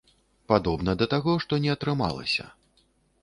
Падобна да таго, што не атрымалася.